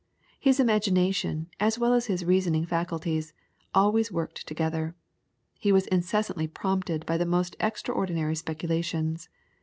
His imagination, as well as his reasoning faculties, always worked together. He was incessantly prompted by the most extraordinary speculations.